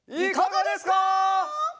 いかがですか？